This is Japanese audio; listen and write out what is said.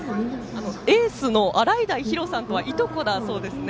エースの洗平比呂さんとはいとこだそうですね。